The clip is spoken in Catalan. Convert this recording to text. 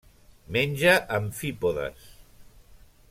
Menja amfípodes.